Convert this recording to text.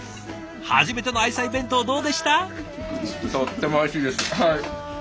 初めての愛妻弁当どうでした？